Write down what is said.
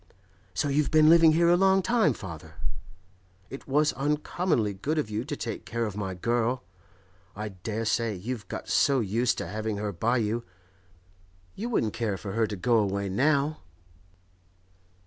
'So you've been living here a long time, father? It was uncommonly good of you to take care of my girl. I dare say you've got so used to having her by you, you wouldn't care for her to go away now?